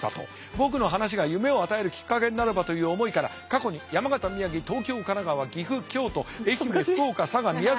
僕の話が夢を与えるきっかけになればという思いから過去に山形宮城東京神奈川岐阜京都愛媛福岡佐賀宮崎。